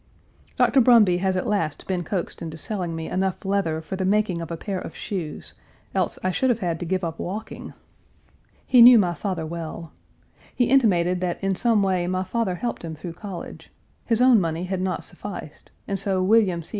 Dr. Brumby has at last been coaxed into selling me enough leather for the making of a pair of shoes, else I should have had to give up walking. He knew my father Page 362 well. He intimated that in some way my father helped him through college. His own money had not sufficed, and so William C.